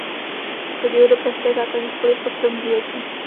Chodil do pražské základní školy v Ostrovní ulici.